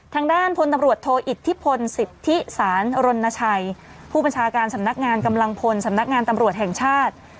ทางด้านพลตำรวจโทอิทธิพลสิทธิสารรณชัยผู้บัญชาการสำนักงานกำลังพลสำนักงานตำรวจแห่งชาติ